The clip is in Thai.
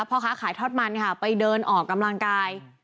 พ่อค้าขายทอดมันค่ะไปเดินออกกำลังกาย